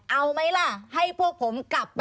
เอาไหมล่ะให้พวกผมกลับไป